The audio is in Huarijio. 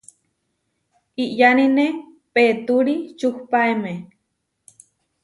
Iʼyánine peetúri čuhpaéme.